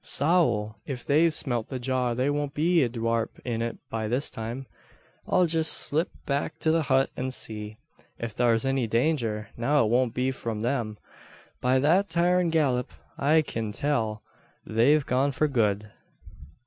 Sowl! if they've smelt the jar there won't be a dhrap in it by this time. I'll jist slip back to the hut an see. If thare's any danger now it won't be from them. By that tarin' gallop, I cyan tell they've gone for good."